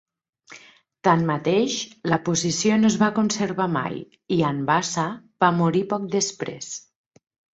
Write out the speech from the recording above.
Tanmateix, la posició no es va conservar mai, i Anbasa va morir poc després.